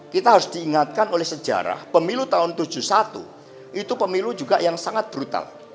kita harus diingatkan oleh sejarah pemilu tahun seribu sembilan ratus tujuh puluh satu itu pemilu juga yang sangat brutal